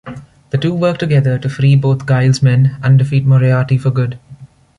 The two work together to free both Giles men and defeat Moriarty for good.